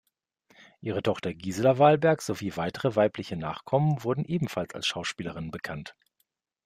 Ihre Tochter Gisela Wahlberg sowie weitere weibliche Nachkommen wurden ebenfalls als Schauspielerinnen bekannt.